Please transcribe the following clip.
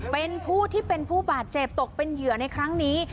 เป็นผู้ที่เป็นผู้บาดเจ็บตกเป็นเหยื่อในครั้งนี้